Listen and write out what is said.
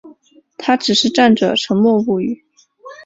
他只是站着沉默不语